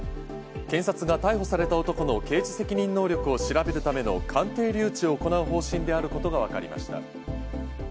検察が逮捕された男の刑事責任能力を調べるための鑑定留置を行う方針であることがわかりました。